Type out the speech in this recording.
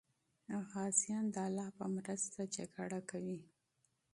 غازیان د الله په مرسته جګړه کوي.